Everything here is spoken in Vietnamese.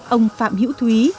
ông phạm hữu thúy